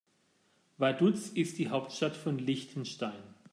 Vaduz ist die Hauptstadt von Liechtenstein.